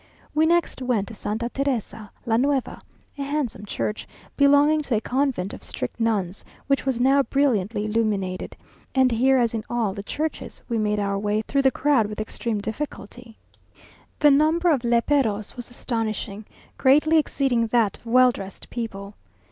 We next went to Santa Teresa la Nueva, a handsome church, belonging to a convent of strict nuns, which was now brilliantly illuminated; and here, as in all the churches, we made our way through the crowd with extreme difficulty. The number of léperos was astonishing, greatly exceeding that of well dressed people.